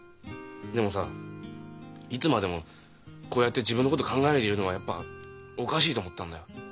でもさいつまでもこうやって自分のこと考えないでいるのはやっぱおかしいと思ったんだよ。